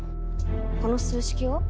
この数式は？